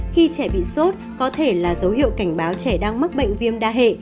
khi trẻ bị sốt có thể là dấu hiệu cảnh báo trẻ đang mắc bệnh viêm đa hệ